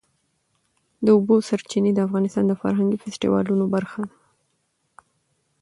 د اوبو سرچینې د افغانستان د فرهنګي فستیوالونو برخه ده.